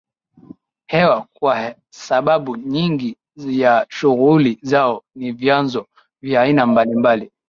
hewa kwa sababu nyingi ya shughuli zao ni vyanzo vya aina mbali mbali